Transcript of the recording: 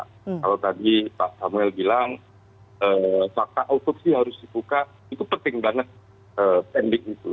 kalau tadi pak samuel bilang fakta otopsi harus dibuka itu penting banget pendek itu